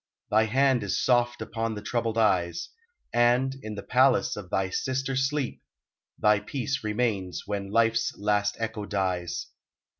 Thy hand is soft upon the troubled eyes, And, in the palace of thy sister Sleep, Thy peace remains when Life's last echo dies.